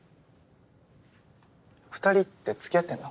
２人って付き合ってんの？